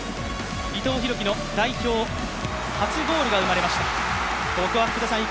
伊藤洋輝の代表初ゴールが生まれました。